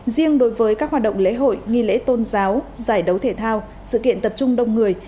riêng đối với các hoạt động lễ hội nghi lễ tôn giáo giải đấu thể thao sự kiện tập trung đông người